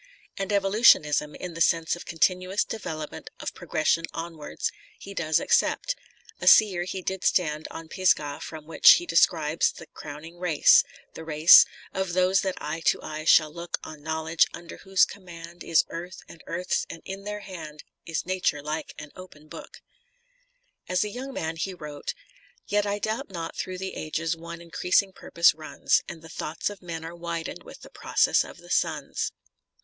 * And evolutionism, in the sense of continuous development of progression onwards, he does accept. A seer he did stand on a Pisgah from which he describes the crowning race — the race Of those that, eye to eye, shall look On knowledge ; under whose command Is Earth and Eardi's, and in their hand Is Nature like an open book, f As a young man he wrote : Yet I doubt not thro' the ages, one increasing purpose runs, And the thoughts of men are widened with the process of the suns.